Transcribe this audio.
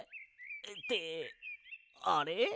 ってあれ？